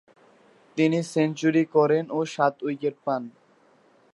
তিনি সেঞ্চুরি করেন ও সাত উইকেট পান।